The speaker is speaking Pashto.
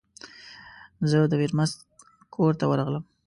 زه د میرمست کور ته ورغلم.